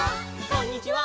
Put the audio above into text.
「こんにちは」